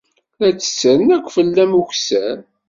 La d-ttettren akk fell-am ukessar.